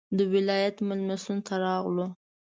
د ولایت مېلمستون ته راغلو.